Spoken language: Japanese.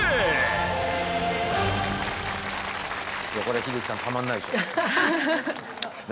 これ英樹さんたまんないでしょ。